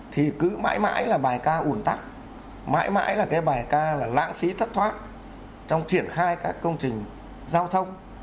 thì cứ mãi mãi là bài ca ủn tắc mãi mãi là cái bài ca là lãng phí thất thoát trong triển khai các công trình giao thông